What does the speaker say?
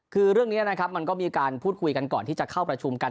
คือเรื่องนี้นะครับมันก็มีการพูดคุยกันก่อนที่จะเข้าประชุมกัน